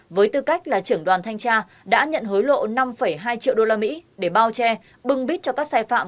với tư cách là trưởng đoàn thanh tra đã nhận hối lộ năm hai triệu usd để bao che bưng bít cho các sai phạm